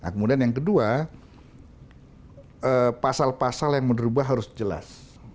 kemudian yang kedua pasal pasal yang mau dirubah harus jelas